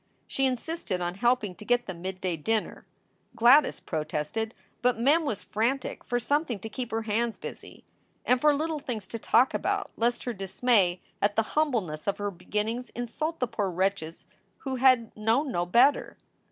She insisted on helping to get the midday dinner. Gladys SOULS FOR SALE 397 protested, but Mem was frantic for something to keep her hands busy, and for little things to talk about, lest her dis may at the humbleness of her beginnings insult the poor wretches who had known no better.